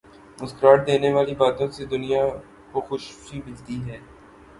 مسکراہٹ دینے والی باتوں سے دنیا کو خوشی ملتی ہے۔